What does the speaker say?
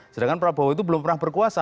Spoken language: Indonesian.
sedangkan prabowo itu belum pernah berkuasa